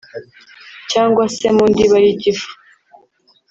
cyangwa se mu ndiba y’igifu